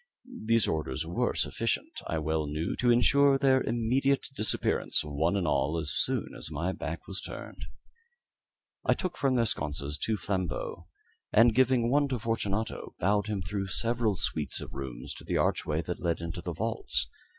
These orders were sufficient, I well knew, to insure their immediate disappearance, one and all, as soon as my back was turned. I took from their sconces two flambeaux, and giving one to Fortunato, bowed him through several suites of rooms to the archway that led into the vaults.